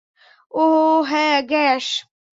ওহ হ্যাঁ, গ্যাস।